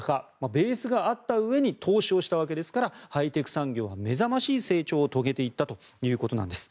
ベースがあった上に投資をしたわけですからハイテク産業は目覚ましい成長を遂げていったというわけです。